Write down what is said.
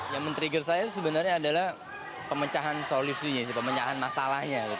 yang men trigger saya sebenarnya adalah pemencahan solusinya pemencahan masalahnya